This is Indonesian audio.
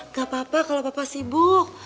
nggak apa apa kalau bapak sibuk